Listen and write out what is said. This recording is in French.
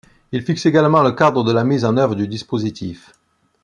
Il fixe également le cadre de la mise en œuvre du dispositif.